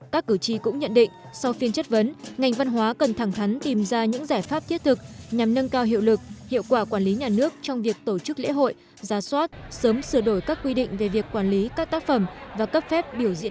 các cử tri cũng nhận định sau phiên chất vấn ngành văn hóa cần thẳng thắn tìm ra những giải pháp thiết thực nhằm nâng cao hiệu lực hiệu quả quản lý nhà nước trong việc tổ chức lễ hội gia soát sớm sửa đổi các quy định về việc quản lý các tác phẩm và cấp phép biểu diễn